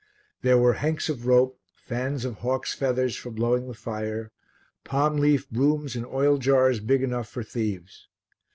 There were hanks of rope, fans of hawks' feathers for blowing the fire, palm leaf brooms and oil jars big enough for thieves.